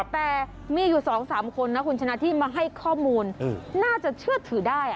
แต่มีอยู่๒๓คนนะคุณชนะที่มาให้ข้อมูลน่าจะเชื่อถือได้